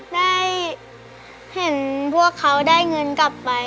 ได้เห็นพวกเขาได้เงินกลับไป